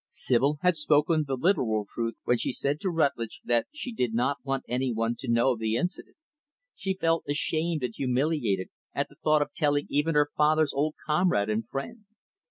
Sibyl had spoken the literal truth when she said to Rutlidge, that she did not want any one to know of the incident. She felt ashamed and humiliated at the thought of telling even her father's old comrade and friend.